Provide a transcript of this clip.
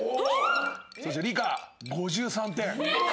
そして理科５３点。え！！